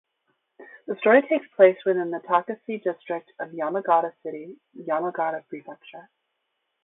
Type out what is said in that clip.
The story takes place within the Takase district of Yamagata City, Yamagata Prefecture.